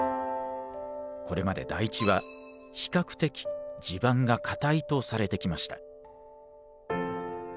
これまで台地は比較的地盤が固いとされてきました。